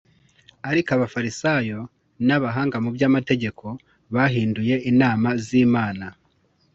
Ariko Abafarisayo n abahanga mu by Amategeko bahinyuye inama z Imana